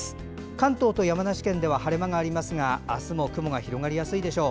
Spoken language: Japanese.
関東と山梨県では晴れ間がありますが明日も雲が広がりやすいでしょう。